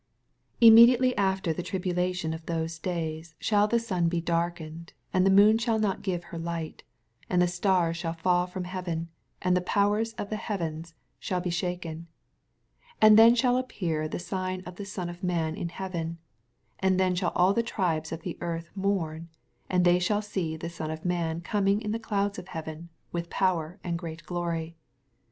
29 Immediately after the tribula tion of those days shall the sun* be darkened, and the moon shall notffire her light, and the stars shall fall ^om heaven, and the powers of the heavens shall be shaken : 30 And then shall appear the sign of Ihe Son of man in heaven : and then shall all the tribes of the earth mourn, and they shall bee the Son of man coming in the clouds of heaven with power and mat gloiy.